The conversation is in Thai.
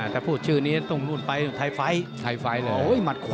ถ้าพูดชื่อนี้ต้องลุนไปไทยไฟซ์